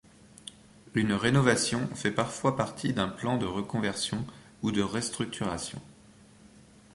Une rénovation fait parfois partie d'un plan de reconversion ou de restructuration.